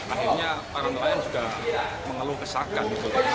akhirnya para nelayan juga mengaluh kesatkan